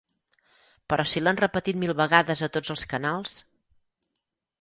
Però si l'han repetit mil vegades a tots els canals.